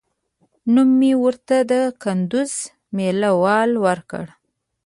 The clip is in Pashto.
نوم مې ورته د کندوز مېله وال ورکړ.